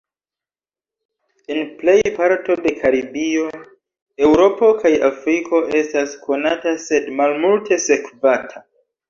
En plej parto de Karibio, Eŭropo kaj Afriko estas konata sed malmulte sekvata.